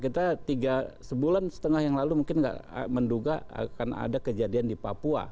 kita tiga sebulan setengah yang lalu mungkin tidak menduga akan ada kejadian di papua